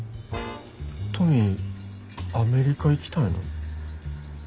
トミーアメリカ行きたいの？